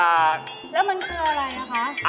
แล้วมันคืออะไรนะคะ